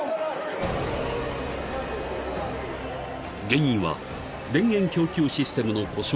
［原因は電源供給システムの故障］